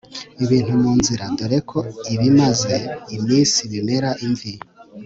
ibintu mu nzira dore ko ibimaze iminsi bimera imvi